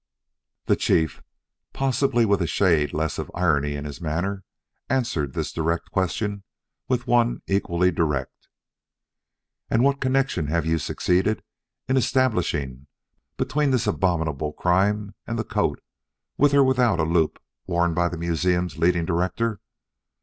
The Chief, possibly with a shade less of irony in his manner, answered this direct question with one equally direct: "And what connection have you succeeded in establishing between this abominable crime and the coat with or without a loop worn by the museum's leading director?